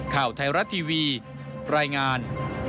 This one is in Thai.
ข่าวไทยรัฐทีวีรายงาน